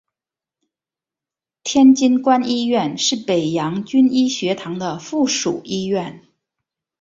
天津官医院是北洋军医学堂的附属医院。